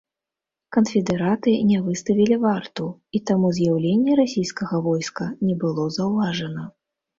Канфедэраты не выставілі варту, і таму з'яўленне расійскага войска не было заўважана.